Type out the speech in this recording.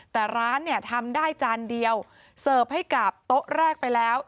แต่ร้านเนี่ยทำได้จานเดียวเสิร์ฟให้กับโต๊ะแรกไปแล้ว